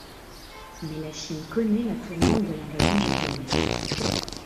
Mais la Chine connaît la tourmente de l'invasion japonaise.